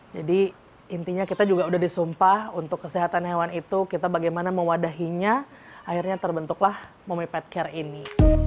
jadi intinya kita juga udah disumpah untuk kesehatan hewan itu kita bagaimana mewadahinya akhirnya terbentuklah momi pet care ini